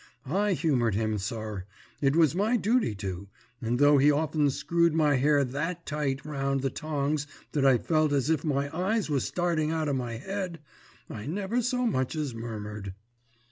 I humoured him, sir! it was my duty to; and though he often screwed my hair that tight round the tongs that I felt as if my eyes was starting out of my head, I never so much as murmured.